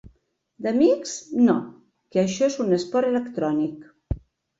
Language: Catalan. D'amics, no, que això és un esport electrònic!